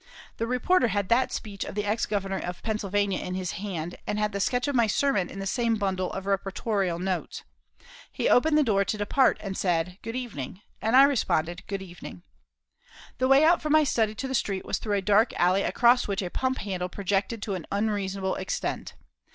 The reporter had that speech of the ex Governor of Pennsylvania in his hand, and had the sketch of my sermon in the same bundle of reportorial notes. He opened the door to depart and said, "Good evening," and I responded, "Good evening." The way out from my study to the street was through a dark alley across which a pump handle projected to an unreasonable extent.